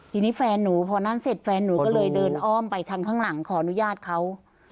ทีนี้แฟนหนูพอนั่นเสร็จแฟนหนูก็เลยเดินอ้อมไปทางข้างหลังขออนุญาตเขา